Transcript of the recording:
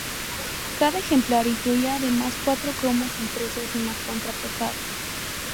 Cada ejemplar, incluía además cuatro cromos impresos en la contraportada.